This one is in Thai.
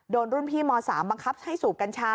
โดนรุ่นพี่ม๓บังคับให้สูบกัญชา